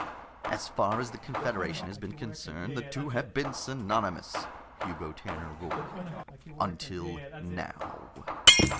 "As far as the confederation has been concerned, the two have been synonymous," Hugo Tanner roared. "_Until now.